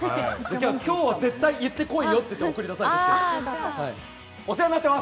今日は絶対言ってこいよと言って送り出されてきたんです。